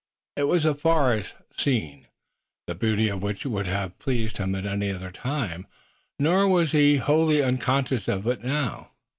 It was a forest scene, the beauty of which would have pleased him at any other time, nor was he wholly unconscious of it now.